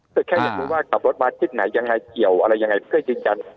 คือแค่รู้ว่ากลับรถบ้านที่ไหนยังไงเกี่ยวอะไรยังไงเพื่อจริงจันทร์